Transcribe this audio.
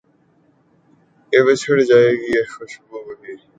کہ بچھڑ جائے گی یہ خوش بو بھی